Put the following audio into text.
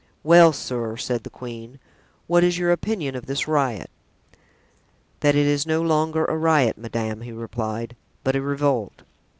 "Well, sir," said the queen, "what is your opinion of this riot?" "That it is no longer a riot, madame," he replied, "but a revolt."